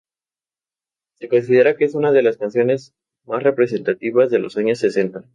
Se considera que es una de las canciones más representativas de los años sesenta.